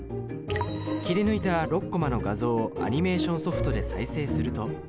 切り抜いた６コマの画像をアニメーションソフトで再生すると。